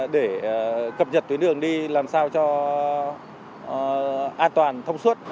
để cập nhật tuyến đường đi làm sao cho an toàn thông suốt